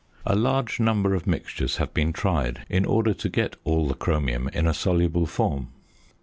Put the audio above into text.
A large number of mixtures have been tried in order to get all the chromium in a soluble form.